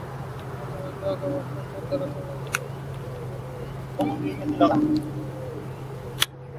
সবাই দোয়া করবেন, অক্টোবরে যেন সবাইকে একটা ভালো খবর দিতে পারি।